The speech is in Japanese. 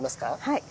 はい。